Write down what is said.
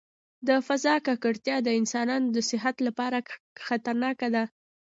د فضا ککړتیا د انسانانو د صحت لپاره خطرناک دی.